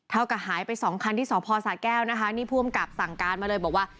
กับหายไปสองคันที่สพสาแก้วนะคะนี่ผู้อำกับสั่งการมาเลยบอกว่า